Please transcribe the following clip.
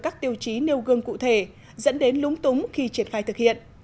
các tiêu chí nêu gương cụ thể dẫn đến lúng túng khi triển khai thực hiện